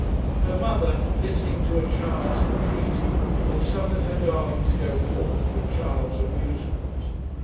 Her mother, listening to a child's entreaty, had suffered her darling to go forth for a child's amusement.